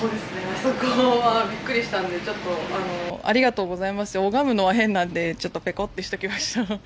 あそこはびっくりしたのでありがとうございますって拝むのは変なのでちょっとペコッとしておきました。